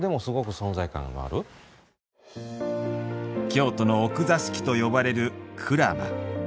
京都の奥座敷と呼ばれる鞍馬。